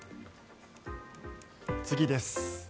次です。